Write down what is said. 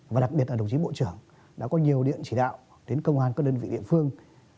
và đặc biệt là đồng chí bộ trưởng đã có nhiều điện chỉ đạo đến công an các đơn vị địa phương